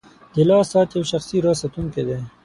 • د لاس ساعت یو شخصي راز ساتونکی دی.